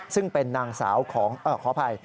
ซึ่งเป็นนางสาวขออภัย